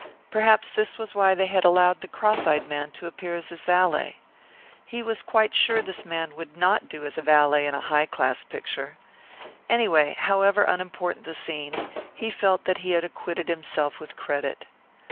Perhaps this was why they had allowed the cross eyed man to appear as his valet. He was quite sure this man would not do as a valet in a high class picture. Anyway, however unimportant the scene, he felt that he had acquitted himself with credit.